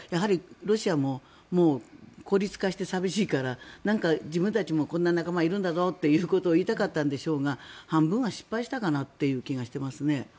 ロシアも孤立化して寂しいから自分たちも、こんな仲間がいるんだぞということを言いたかったんでしょうが半分は失敗したかなという気がしていますね。